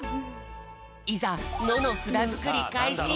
いざ「の」のふだづくりかいし！